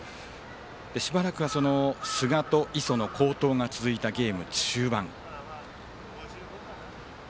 しばらくは寿賀と磯の好投が続いたゲーム終盤。